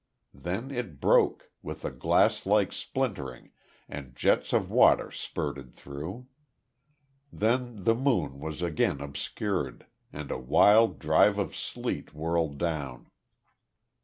Then it broke, with a glass like splintering, and jets of water spurted through. Then the moon was again obscured, and a wild drive of sleet whirled down.